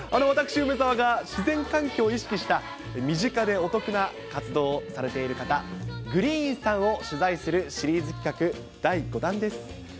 私、梅澤が自然環境を意識した身近でお得な活動をされている方、Ｇｒｅｅｎさんを取材するシリーズ企画第５弾です。